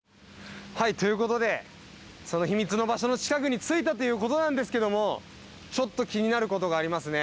はいということでその秘密の場所の近くに着いたということなんですけどもちょっと気になることがありますね。